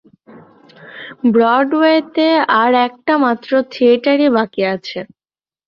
ব্রডওয়েতে আর একটা মাত্র থিয়েটারই বাকি আছে।